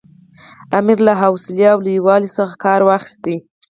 امیر له حوصلې او لوی والي څخه کار واخیست.